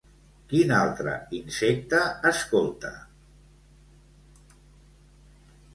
Quin altre insecte escolta?